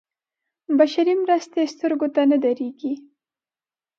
بشري مرستې سترګو ته نه درېږي.